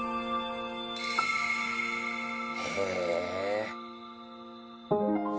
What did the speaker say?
へえ。